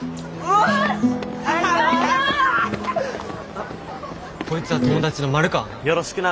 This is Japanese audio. あっこいつは友達の丸川な。